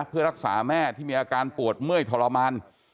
เพื่อรักษาแม่ที่มีอาการปวดเมื่อยทรมาน